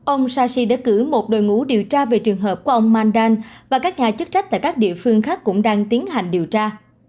ông sashi đã cử một đội ngũ điều tra về trường hợp của ông mandan và các nhà chức trách tại các địa phương khác cũng đang tiến hành điều tra